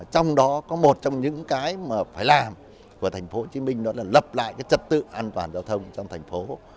trong đó có một trong những cái mà phải làm của tp hcm đó là lập lại cái trật tự an toàn giao thông trong thành phố